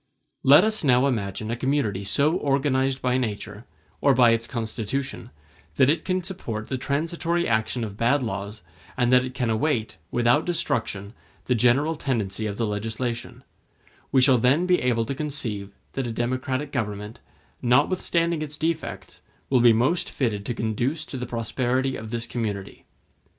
Let us now imagine a community so organized by nature, or by its constitution, that it can support the transitory action of bad laws, and that it can await, without destruction, the general tendency of the legislation: we shall then be able to conceive that a democratic government, notwithstanding its defects, will be most fitted to conduce to the prosperity of this community.